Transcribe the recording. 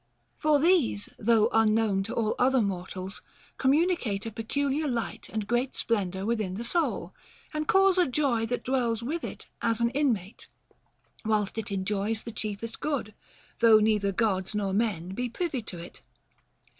For these, though unknown to all other mortal'], communicate a peculiar light and great splendor within the soul, and cause a joy that dwells with it as an inmate, whilst it enjoys the chiefest good, though neither Gods nor men may be privy to it.